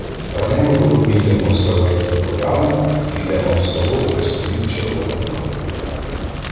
Раненько обійдемо Ставидла полями й підемо в село, де стоїть червона піхота.